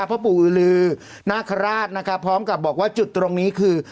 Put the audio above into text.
พ่อปู่อือลือนาคาราชนะครับพร้อมกับบอกว่าจุดตรงนี้คือ